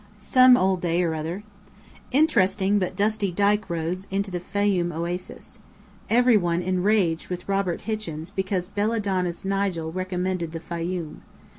Some old Day or Other: Interesting but dusty dyke road into the Fayoum oasis. Every one enraged with Robert Hichens because "Bella Donna's" Nigel recommended The Fayoum.